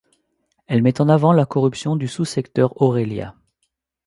Elle met en avant la corruption du sous-secteur Aurelia.